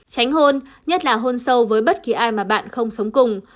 tránh hôn nhất là hôn sâu với bất kỳ ai mà bạn không sống cùng